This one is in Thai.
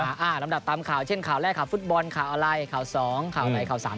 อ่าลำดับตามข่าวเช่นข่าวแรกข่าวฟุตบอลข่าวอะไรข่าวสองข่าวไหนข่าวสาม